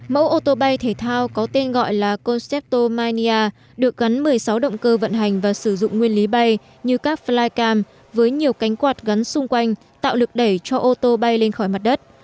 mẫu ô tô bay thể thao có tên gọi là concepto mania được gắn một mươi sáu động cơ vận hành và sử dụng nguyên lý bay như các flycam với nhiều cánh quạt gắn xung quanh tạo lực đẩy cho ô tô bay lên khỏi mặt đất